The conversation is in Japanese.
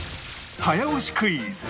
早押しクイズ！